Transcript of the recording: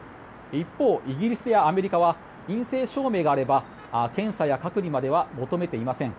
一方、イギリスやアメリカは陰性証明があれば検査や隔離までは求めていません。